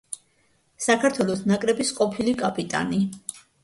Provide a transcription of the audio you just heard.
საქართველოს ნაკრების ყოფილი კაპიტანი.